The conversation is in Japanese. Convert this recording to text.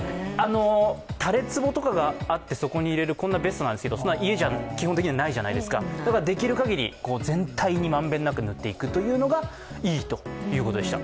タレつぼとかがあってつける、それがベストなんですがそんなの家じゃ基本的にないじゃないですか、だからできるかぎり全体に満遍なくぬっていくのがいいということです。